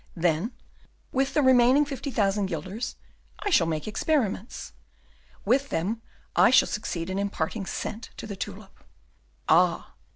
Then, with the remaining fifty thousand guilders, I shall make experiments. With them I shall succeed in imparting scent to the tulip. Ah!